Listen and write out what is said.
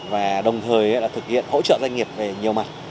và đồng thời thực hiện hỗ trợ doanh nghiệp về nhiều mặt